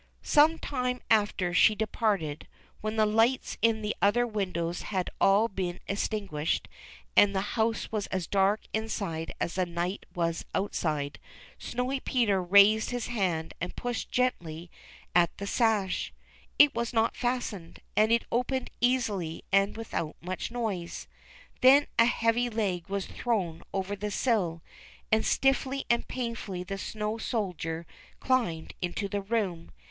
Some time after she departed, when the lights in the other windoAvs had all been extinguished and the house w'as as dark inside as the night w^as outside. Snowy Peter raised his hand and pushed gently at the SNOWY PETER. 343 sash. It was not fastened, and it opened easily and without much noise. Then a heavy leg was thrown over the sill, and stiffly and painfully the snow soldier climbed into the room.